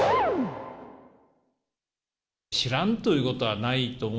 知らんということはないと思